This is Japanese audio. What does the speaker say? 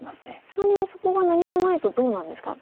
ちなみにそこが何もないとどうなんですか？